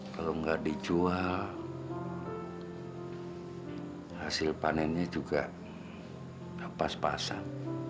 kalo gak dicual hasil panennya juga pas pasan